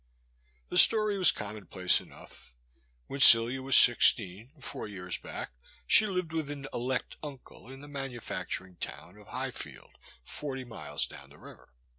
The story was commonplace enough. When Celia was sixteen, four years back, she lived with an elect uncle in the manufacturing town of High field, forty miles down the river.